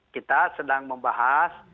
kita sedang membahas